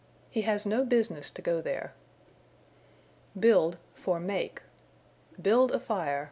"He has no business to go there." Build for Make. "Build a fire."